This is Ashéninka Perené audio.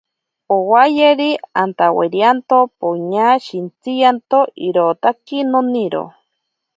Owayeri, antawairianto poña shintsiyanto... irotaki noniro.